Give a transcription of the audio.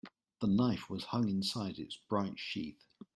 The knife was hung inside its bright sheath.